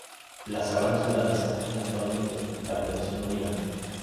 La sabana sudanesa es actualmente la vegetación dominante.